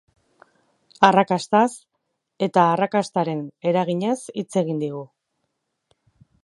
Arrakastaz, eta arrakastaren eraginez, hitz egin digu.